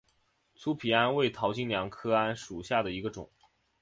粗皮桉为桃金娘科桉属下的一个种。